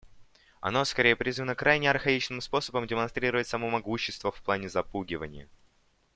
Оно скорее призвано крайне архаичным способом демонстрировать само могущество в плане запугивания.